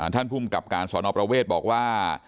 ภูมิกับการสอนอประเวทบอกว่า